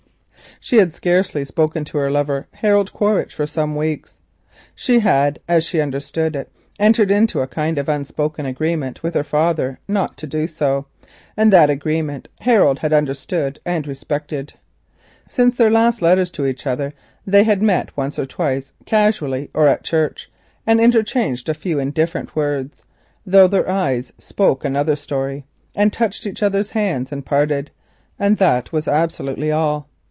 She had scarcely spoken to her lover, Harold Quaritch, for some weeks. She had as she understood it entered into a kind of unspoken agreement with her father not to do so, and that agreement Harold had realised and respected. Since their last letters to each other they had met once or twice casually or at church, interchanged a few indifferent words, though their eyes spoke another story, touched each other's hands and parted. That was absolutely all.